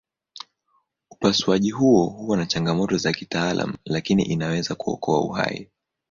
Upasuaji huo huwa na changamoto za kitaalamu lakini inaweza kuokoa uhai.